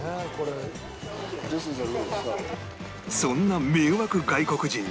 そんな迷惑外国人に